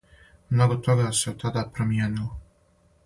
Много тога се од тада промијенило.